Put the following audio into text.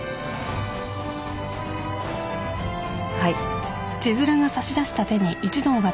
はい。